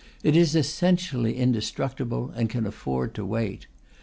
It is essentially indestructible, and can afford to wait.